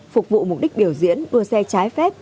phục vụ mục đích biểu diễn đua xe trái phép